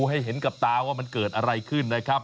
ให้เห็นกับตาว่ามันเกิดอะไรขึ้นนะครับ